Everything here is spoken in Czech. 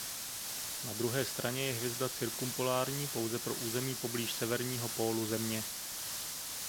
Na druhé straně je hvězda cirkumpolární pouze pro území poblíž severního pólu Země.